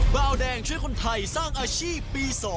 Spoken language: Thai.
บาวแดงช่วยคนไทยสร้างอาชีพปี๒